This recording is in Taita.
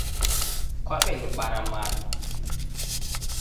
Kwaw'enibara madu